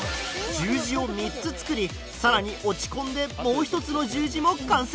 十字を３つ作り更に落ちコンでもう１つの十字も完成。